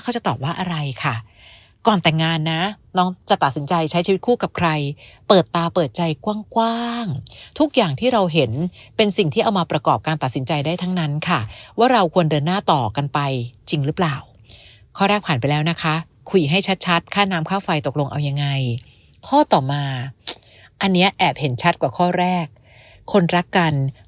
จะตอบว่าอะไรค่ะก่อนแต่งงานนะน้องจะตัดสินใจใช้ชีวิตคู่กับใครเปิดตาเปิดใจกว้างทุกอย่างที่เราเห็นเป็นสิ่งที่เอามาประกอบการตัดสินใจได้ทั้งนั้นค่ะว่าเราควรเดินหน้าต่อกันไปจริงหรือเปล่าข้อแรกผ่านไปแล้วนะคะคุยให้ชัดชัดค่าน้ำค่าไฟตกลงเอายังไงข้อต่อมาอันเนี้ยแอบเห็นชัดกว่าข้อแรกคนรักกัน